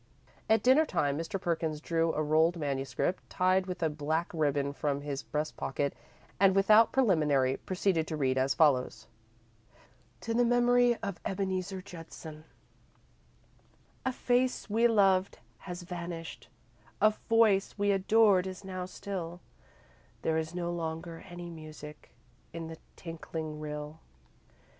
At dinner time, Mr. Perkins drew a rolled manuscript, tied with a black ribbon, from his breast pocket, and, without preliminary, proceeded to read as follows: TO THE MEMORY OF EBENEEZER JUDSON A face we loved has vanished, A voice we adored is now still, There is no longer any music In the tinkling rill.